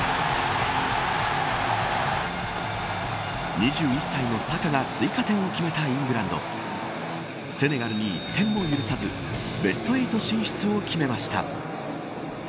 ２１歳のサカが追加点を決めたイングランドセネガルに１点も許さずベスト８進出を決めました。